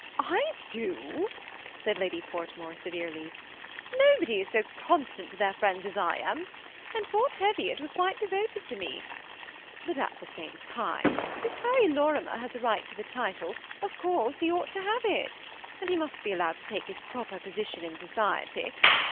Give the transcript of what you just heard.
" I do," said Lady Portmore, severely ;" nobody is so constant to their friends as I am ; and poor Teviot was quite devoted to me ; but at the same time, if Harry Lorimer has a right to the title, of course he ought to have it, and he must be allowed to take his proper posi tion in society.